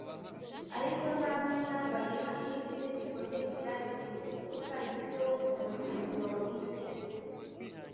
ariko nta zina bayiha irindi tegeko rye rigira riti “ujye usangira ibyo wungutse na mugenzi wawe w’umukene